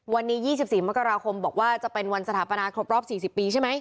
วันนี้๒๔มกราคมบอกว่าจะเป็นวันสถาปนาครบรอบ๔๐ปีใช่ไหม